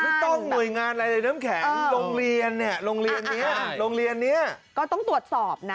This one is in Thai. ต้องหน่วยงานอะไรเลยน้ำแข็งโรงเรียนเนี่ยโรงเรียนนี้โรงเรียนนี้ก็ต้องตรวจสอบนะ